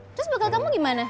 terus bakal kamu gimana